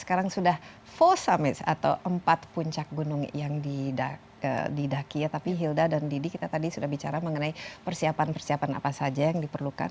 sekarang sudah full summits atau empat puncak gunung yang di daki ya tapi hilda dan didi kita tadi sudah bicara mengenai persiapan persiapan apa saja yang diperlukan